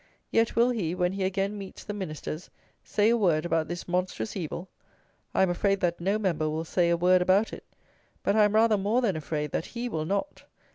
Yet will he, when he again meets the Ministers, say a word about this monstrous evil? I am afraid that no Member will say a word about it; but I am rather more than afraid that he will not.